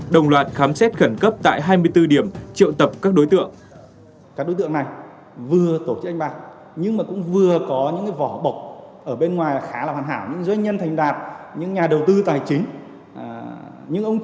đồng loạt khám xét khẩn cấp tại hai mươi bốn điểm triệu tập các đối tượng